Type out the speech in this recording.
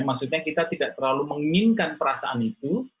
maksudnya kita tidak terlalu menginginkan perasaan itu